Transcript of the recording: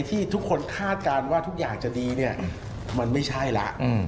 ที่ทุกคนคาดการณ์ว่าทุกอย่างจะดีเนี่ยมันไม่ใช่ละ